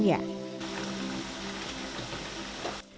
dia menempatkan kemahannya